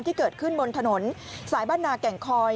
ที่เกิดขึ้นบนถนนสายบ้านนาแก่งคอย